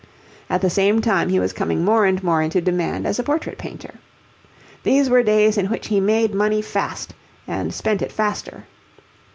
At the same time he was coming more and more into demand as a portrait painter. These were days in which he made money fast, and spent it faster.